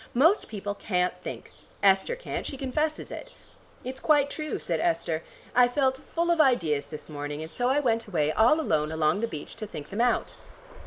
Most people can't think. Esther can't: she confesses it." "It's quite true," said Esther. "I felt full of ideas this morning, and so I went away all alone along the beach to think them out.